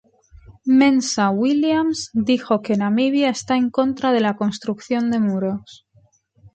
Mensah-Williams dijo que Namibia está en contra de la construcción de muros.